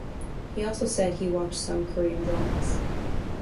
He also said he watched some Korean dramas.